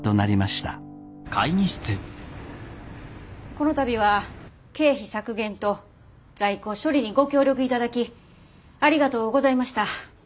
この度は経費削減と在庫処理にご協力いただきありがとうございました。